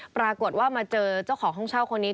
ปรากฏว่ามาเจอเจ้าของห้องเช่าคนนี้